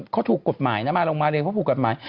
เขาถูกกฎหมายนะมาลงมาเรียนเขาถูกกฎหมาย